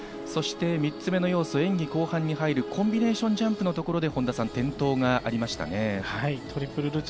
そして３つ目の要素、演技後半に入るコンビネーションジャンプのところで転倒がありましたね、本田さん。